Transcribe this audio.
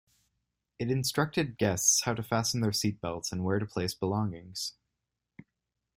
It instructed guests how to fasten their seat belts and where to place belongings.